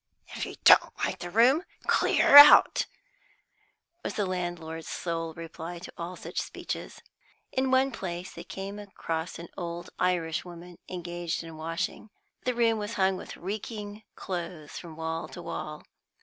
"If you don't like the room, clear out," was the landlord's sole reply to all such speeches. In one place they came across an old Irish woman engaged in washing. The room was hung with reeking clothes from wall to wall.